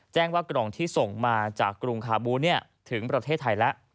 แจ้งว่ากล่องที่ส่งมาจากกรุงคาบูถึงประเทศไทยแล้ว